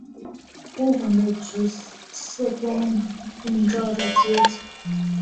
昏黄的橘色光芒映照着街景